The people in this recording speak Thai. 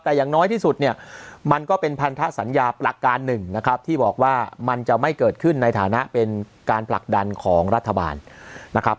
แต่อย่างน้อยที่สุดเนี่ยมันก็เป็นพันธสัญญาหลักการหนึ่งนะครับที่บอกว่ามันจะไม่เกิดขึ้นในฐานะเป็นการผลักดันของรัฐบาลนะครับ